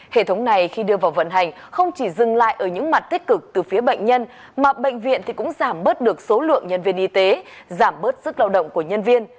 hệ thống này khi đưa vào vận hành không chỉ dừng lại ở những mặt tích cực từ phía bệnh nhân mà bệnh viện cũng giảm bớt được số lượng nhân viên y tế giảm bớt sức lao động của nhân viên